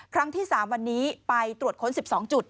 ครั้งที่๓วันนี้ไปตรวจค้น๑๒จุด